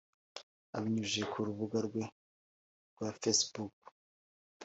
Abinyujije ku rubuga rwe rwa Facebook